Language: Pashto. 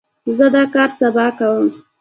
زه دا کار سبا کوم.